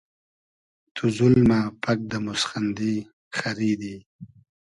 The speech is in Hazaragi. تو زولمۂ پئگ دۂ موسخیندی خئریدی